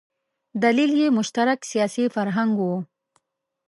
دلیل یې مشترک سیاسي فرهنګ و.